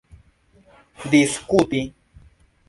diskuti